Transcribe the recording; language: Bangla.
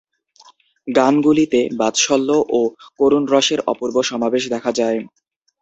গানগুলিতে বাৎসল্য ও করুণরসের অপূর্ব সমাবেশ দেখা যায়।